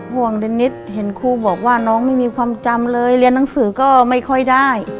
เดนนิดเห็นครูบอกว่าน้องไม่มีความจำเลยเรียนหนังสือก็ไม่ค่อยได้